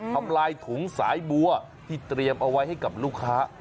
ทำลายถุงสายบัวที่เตรียมเอาไว้ให้กับลูกค้า